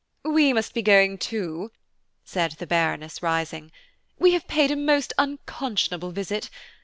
"We must be going too," said the Baroness, rising; "we have paid a most unconscionable visit.